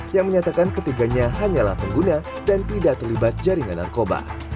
yang menyatakan ketiganya hanyalah pengguna dan tidak terlibat jaringan narkoba